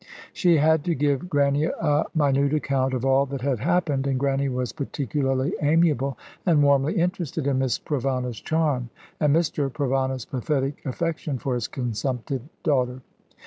She had to give Grannie a minute account of all that had happened, and Grannie was particularly amiable, and warmly interested in Miss Provana's charm, and Mr. Provana's pathetic affection for his consumptive daughter.